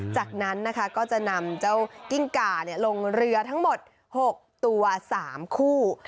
จากนั้นนะคะก็จะนำเจ้ากิ้งก่าลงเรือทั้งหมด๖ตัว๓คู่